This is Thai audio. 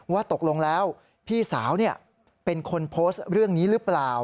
ว่าตกลงแล้วพี่สาวเป็นคนโพสต์เรื่องนี้หรือเปล่า